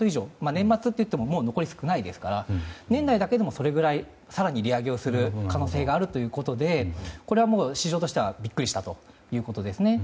年末といってももう残り少ないですから年内だけでも、それくらい更に利上げをする可能性があるということでこれは市場としてはビックリしたということです。